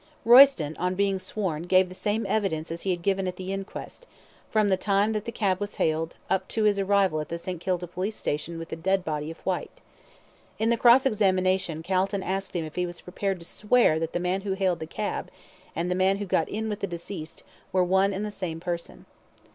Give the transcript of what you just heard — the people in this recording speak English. ROYSTON, on being sworn, gave the same evidence as he had given at the inquest, from the time that the cab was hailed up to his arrival at the St. Kilda Police Station with the dead body of Whyte. In the cross examination, Calton asked him if he was prepared to swear that the man who hailed the cab, and the man who got in with the deceased, were one and the same person.